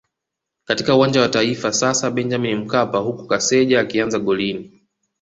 katika Uwanja wa Taifa sasa Benjamin Mkapa huku Kaseja akianza golini